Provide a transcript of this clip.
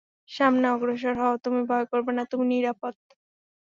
সামনে অগ্রসর হও, তুমি ভয় করবে না, তুমি নিরাপদ।